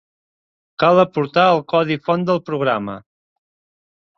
Cal aportar el codi font del programa.